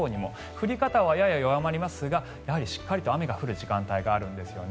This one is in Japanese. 降り方はやや弱まりますがしっかりと雨が降る時間帯があるんですね。